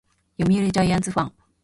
読売ジャイアンツファン